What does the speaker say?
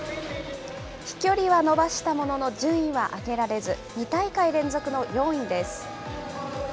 飛距離は伸ばしたものの、順位は上げられず、２大会連続の４位です。